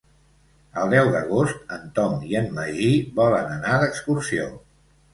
El deu d'agost en Tom i en Magí volen anar d'excursió.